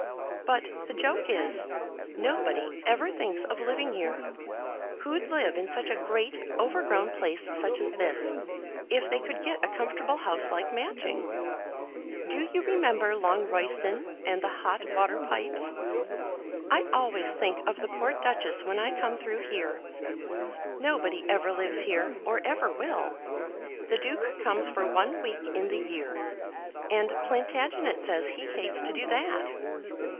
But the joke is, nobody ever thinks of living here. Who'd live in such a great, overgrown place such as this, if they could get a comfortable house like Matching? Do you remember Longroyston and the hot water pipes? I always think of the poor Duchess when I come through here. Nobody ever lives here, or ever will. The Duke comes for one week in the year, and Plantagenet says he hates to do that.